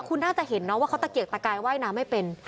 คุณน่าจะเห็นเนอะว่าเค้าตะเกียรตะไกะไหว้น้ำไม่เป็น